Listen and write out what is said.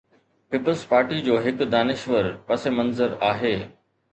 Peoples Party جو هڪ دانشور پس منظر آهي.